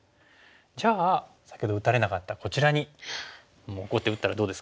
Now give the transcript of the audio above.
じゃあ先ほど打たれなかったこちらにもうこうやって打ったらどうですか？